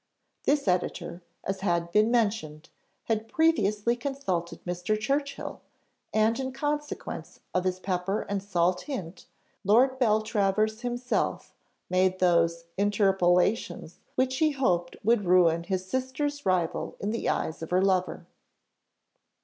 This editor, as has been mentioned, had previously consulted Mr. Churchill, and in consequence of his pepper and salt hint, Lord Beltravers himself made those interpolations which he hoped would ruin his sister's rival in the eyes of her lover.